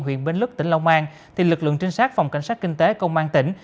huyện bến lức tỉnh long an thì lực lượng trinh sát phòng cảnh sát kinh tế công an tỉnh